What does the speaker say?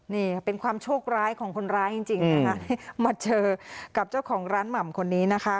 นี่เป็นความโชคร้ายของคนร้ายจริงนะคะมาเจอกับเจ้าของร้านหม่ำคนนี้นะคะ